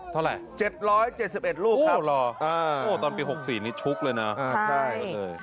เท่าไหร่โอ้โหตอนปี๖๔นี่ชุกเลยนะใช่